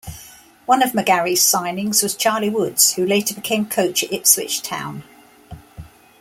One of McGarry's signings was Charlie Woods who later became coach at Ipswich Town.